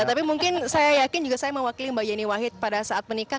tapi mungkin saya yakin juga saya mewakili mbak yeni wahid pada saat menikah